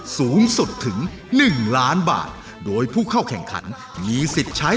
รายการต่อไปนี้เป็นรายการทั่วไปสามารถรับชมได้ทุกวัย